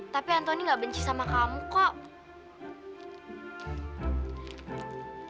tapi antoni gak benci sama kamu kok